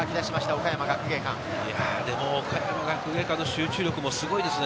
岡山学芸館の集中力もすごいですね。